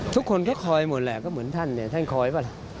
ทุกคนก็คอยหมดแหละก็เหมือนท่านเนี่ยท่านคอยป่ะล่ะ